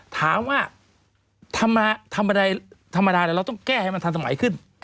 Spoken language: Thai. ถามว่าทำอะไรธรรมดาเราต้องแก้ให้มันทันสมัยขึ้น